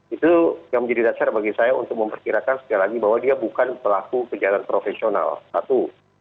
itu yang menjadi dasar bagi saya untuk memperkirakan sekali lagi bahwa dia bukan pelaku kejahatan profesional satu